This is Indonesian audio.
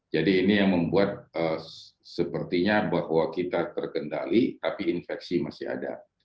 jadi ini yang membuat sepertinya bahwa kita terkendali tapi infeksi masih ada